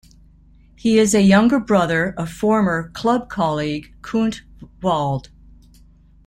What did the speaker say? He is a younger brother of former club-colleague Knut Walde.